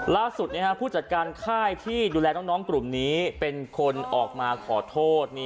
ผู้จัดการค่ายที่ดูแลน้องกลุ่มนี้เป็นคนออกมาขอโทษ